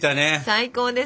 最高ですよ！